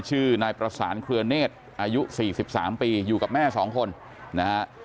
ชื่อนายประสานเครือเนธอายุสี่สิบสามปีอยู่กับแม่สองคนนะฮะ